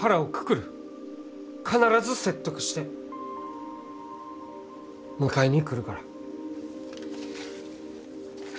必ず説得して迎えに来るから。